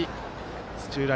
土浦